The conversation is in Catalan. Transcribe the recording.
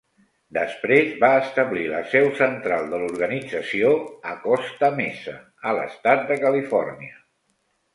Després va establir la seu central de l'organització a Costa Mesa, a l'Estat de Califòrnia.